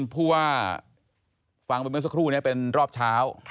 พรุ่งว่าฟังบนเมื่อสักครู่เป็นรอบเช้า